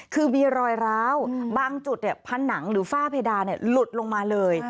คือมีรอยร้าวบางจุดผนังหรือฝ้าเพดานหลุดลงมาเลย